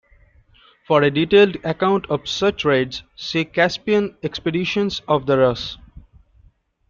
For a detailed account of such raids, see Caspian expeditions of the Rus'.